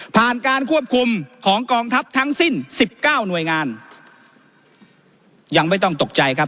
การควบคุมของกองทัพทั้งสิ้นสิบเก้าหน่วยงานยังไม่ต้องตกใจครับ